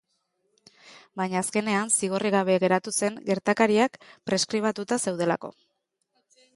Baina azkenean, zigorrik gabe geratu zen gertakariak preskribatuta zeudelako.